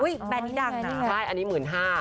แบรนด์นี้ดังนะใช่อันนี้๑๕๐๐บาท